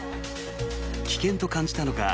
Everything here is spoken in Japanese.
危険と感じたのか